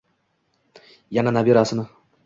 yana nabirasini